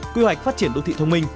quy hoạch phát triển đô thị thông minh